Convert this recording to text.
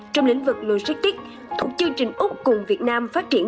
trong lĩnh vực logistics thuộc chương trình úc cùng việt nam phát triển